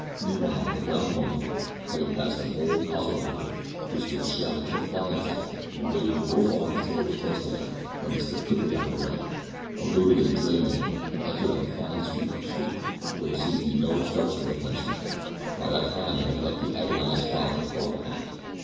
Meanwhile, the brown pony having passed a bold costermonger, who stood shouting defiance at it, and waving both arms till it was close on him, when he stepped quickly out of its way eluded a dray man, and entered on a fine sweep of street, where there seemed to be no obstruction worth mentioning. By that time it had left the agonised father far behind.